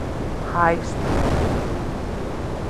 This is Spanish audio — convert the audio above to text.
High Speed!